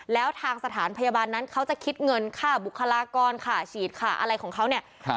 แล้วทางสถานพยาบาลนั้นเขาจะคิดเงินค่าบุคลากรค่ะฉีดค่าอะไรของเขาเนี่ย